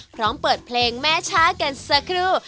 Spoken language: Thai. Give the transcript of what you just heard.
พร้อมเปิดเพลงแม่ช่ากันสักครู่